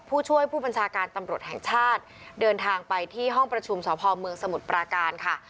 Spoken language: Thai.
ผู้ช่วยผู้บัญชาการตำรวจแห่งชาติเดินทางไปที่ห้องประชุมสพเมืองสมุทรปราการค่ะ